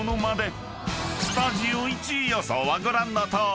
［スタジオ１位予想はご覧のとおり］